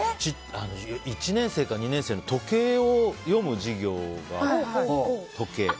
１年生か２年生の時計を読む授業が。